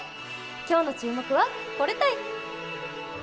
今日の注目は、これたい！